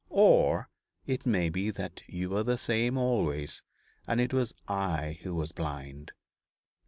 Or it may be that you were the same always, and it was I who was blind.